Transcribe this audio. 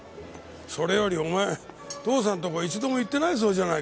それよりお前父さんのとこ一度も行ってないそうじゃないか。